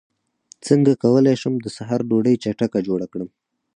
څنګه کولی شم د سحر ډوډۍ چټکه جوړه کړم